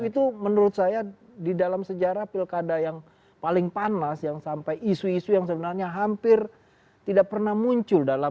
itu menurut saya di dalam sejarah pilkada yang paling panas yang sampai isu isu yang sebenarnya hampir tidak pernah muncul dalam